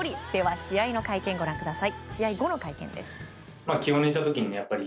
試合後の会見をご覧ください。